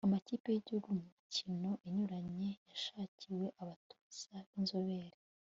amakipe y'igihugu mu mikino inyuranye yashakiwe abatoza b'inzobere